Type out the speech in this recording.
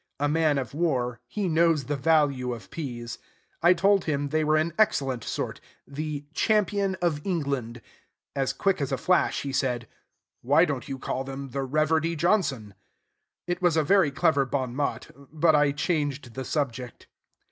A man of war, he knows the value of peas. I told him they were an excellent sort, "The Champion of England." As quick as a flash he said, "Why don't you call them 'The Reverdy Johnson'?" It was a very clever bon mot; but I changed the subject.